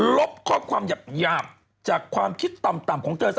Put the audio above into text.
ลบข้อความหยาบจากความคิดต่ำของเธอ